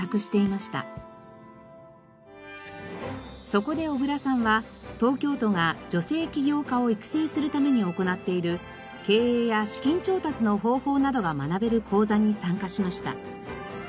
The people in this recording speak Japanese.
そこで小倉さんは東京都が女性起業家を育成するために行っている経営や資金調達の方法などが学べる講座に参加しました。